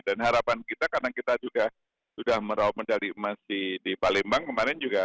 dan harapan kita karena kita juga sudah merawak medali emas di palembang kemarin juga